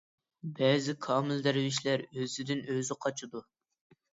بەزى كامىل دەرۋىشلەر ئۆزىدىن ئۆزى قاچىدۇ.